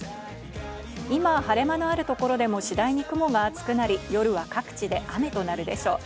今、晴れ間のあるところでも次第に雲が厚くなり、夜は各地で雨となるでしょう。